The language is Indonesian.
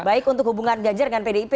baik untuk hubungan ganjar dengan pdip